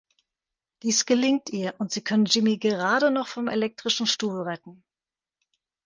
Dies gelingt ihr, und sie können Jimmy gerade noch vom elektrischen Stuhl retten.